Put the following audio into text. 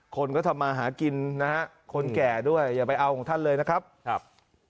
คนก็ทำมาหากินนะฮะคนแก่ด้วยอย่าไปเอาของท่านเลยนะครับ